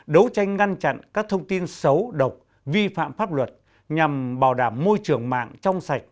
đấu tranh ngăn chặn các thông tin xấu độc vi phạm pháp luật nhằm bảo đảm môi trường mạng trong sạch